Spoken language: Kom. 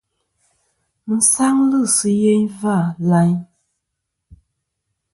Mi sangli si yeyn va layn.